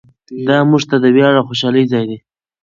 دا موږ ته د ویاړ او خوشحالۍ ځای دی.